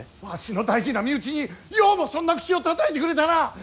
わしの大事な身内にようもそんな口をたたいてくれたな！